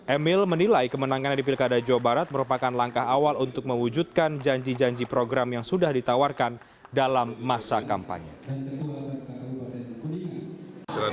emil menilai kemenangannya di pilkada jawa barat merupakan langkah awal untuk mewujudkan janji janji program yang sudah ditawarkan dalam masa kampanye